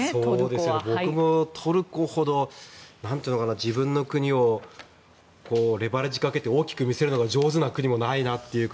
そうですけど僕もトルコほど、自分の国をレバレッジかけて大きく見せるのが上手な国もないなと。